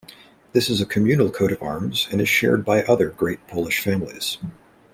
This is a communal coat-of-arms and is shared by other Great Polish Families.